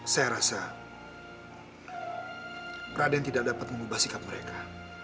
saya rasa peraden tidak dapat mengubah sikap mereka